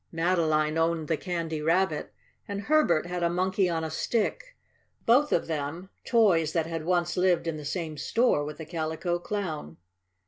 Madeline owned the Candy Rabbit, and Herbert had a Monkey on a Stick both of them toys that had once lived in the same store with the Calico Clown.